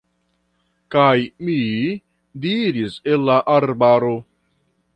Kaj mi diris el la arbaro: